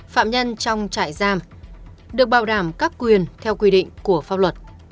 phạm nhân trong trại giam được bảo đảm các quyền theo quy định của pháp luật